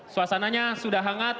suasananya sudah hangat